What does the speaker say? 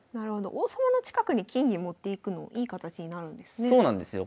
王様の近くに金銀持っていくのいい形になるんですね。